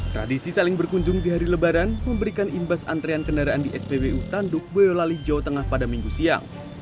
tradisi saling berkunjung di hari lebaran memberikan imbas antrean kendaraan di spbu tanduk boyolali jawa tengah pada minggu siang